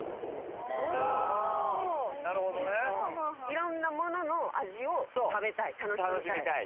いろんなものの味を食べたい楽しみたい。